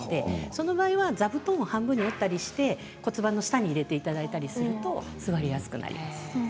その場合は座布団を半分に折ったりして骨盤の下に入れていただくと座りやすくなります。